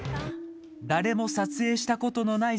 誰も撮影したことのない